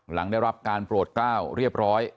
หลังได้รับการโปรดกล้าวเรียบร้อย